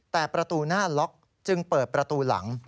แต่ประตูหน้าล็อกจึงเปิดประตูหลัง